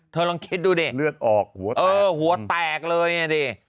เธอลองคิดดูดิเลือดออกหัวแตกเออหัวแตกเลยเนี่ยดิ